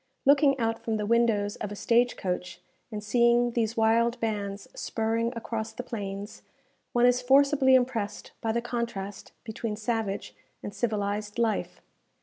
Looking out from the windows of a stage coach, and seeing these wild bands spurring across the plains, one is forcibly impressed by the contrast between savage and civilized life.